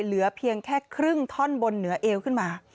เหลือเพียงแค่ครึ่งท่อนบนเหนือเอวขึ้นมา